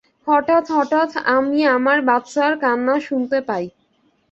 হঠাৎ হঠাৎ আমি আমার বাচ্চার কান্না শুনতে পাই।